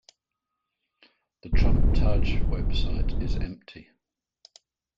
The Trump Taj website is empty.